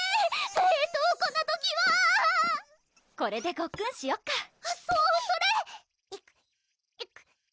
えっとこんな時はこれでごっくんしよっかそうそれ！